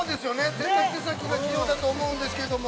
絶対手先が器用だと思うんですけれども。